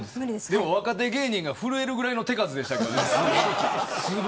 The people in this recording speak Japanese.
でも若手芸人が震えるぐらいの手数でしたけどね。